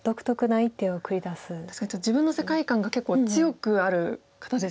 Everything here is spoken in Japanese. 確かにちょっと自分の世界観が結構強くある方ですよね。